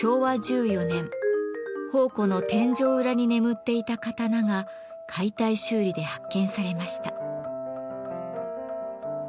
昭和１４年宝庫の天井裏に眠っていた刀が解体修理で発見されました。